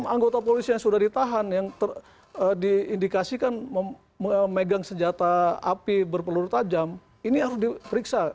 enam anggota polisi yang sudah ditahan yang diindikasikan memegang senjata api berpeluru tajam ini harus diperiksa